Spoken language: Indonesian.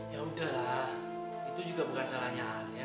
ya sudah itu juga bukan salahnya alia